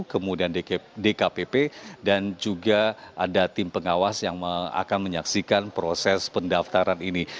kemudian dkpp dan juga ada tim pengawas yang akan menyaksikan proses pendaftaran ini